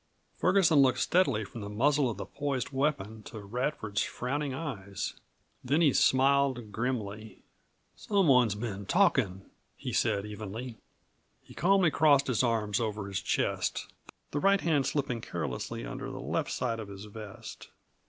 Ferguson looked steadily from the muzzle of the poised weapon to Radford's frowning eyes. Then he smiled grimly. "Some one's been talkin'," he said evenly. He calmly crossed his arms over his chest, the right hand slipping carelessly under the left side of his vest.